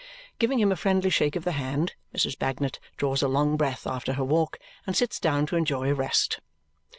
Giving him a friendly shake of the hand, Mrs. Bagnet draws a long breath after her walk and sits down to enjoy a rest.